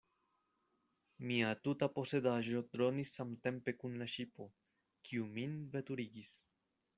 Mia tuta posedaĵo dronis samtempe kun la ŝipo, kiu min veturigis.